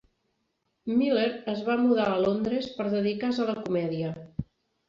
Miller es va mudar a Londres per dedicar-se a la comèdia.